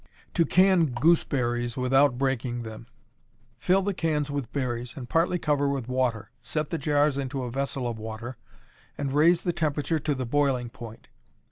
To Can Gooseberries without Breaking them. Fill the cans with berries, and partly cover with water, set the jars into a vessel of water, and raise the temperature to the boiling point.